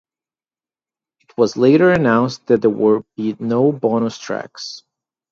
It was later announced that there would be no bonus tracks.